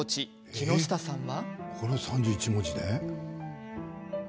木下さんは。